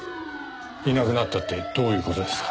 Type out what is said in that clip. いなくなったってどういう事ですか？